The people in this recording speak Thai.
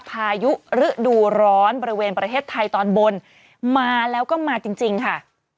พายุฤดูร้อนบริเวณประเทศไทยตอนบนมาแล้วก็มาจริงค่ะ